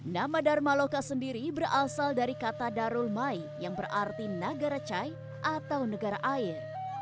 nama dar maloka sendiri berasal dari kata darul mai yang berarti negara cai atau negara air